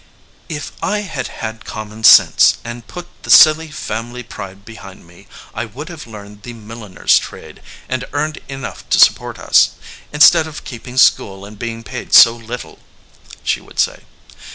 "If I had had common sense, and put the silly family pride behind me, I would have learned the milliners trade, and earned enough to support us, instead of keeping school and being paid so little," she would say.